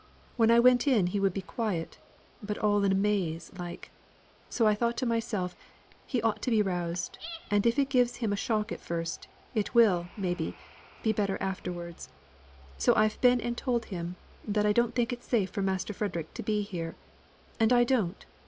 When I went in he would be quite quiet, but all in a maze like. So I thought to myself, he ought to be roused; and if it gives him a shock at first, it will, maybe, be the better for him afterwards. So I've been and told him, that I don't think it's safe for Master Frederick to be here. And I don't.